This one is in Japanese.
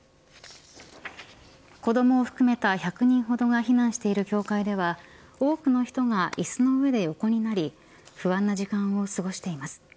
子どもを含めた１００人ほどが避難している教会では多くの人がいすの上で横になり不安な時間を過ごしています。